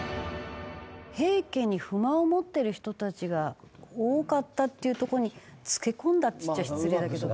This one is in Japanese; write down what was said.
平家に不満を持ってる人たちが多かったっていうとこにつけ込んだっつっちゃ失礼だけど。